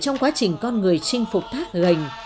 trong quá trình con người chinh phục thác gành